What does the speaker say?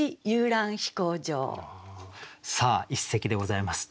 さあ一席でございます。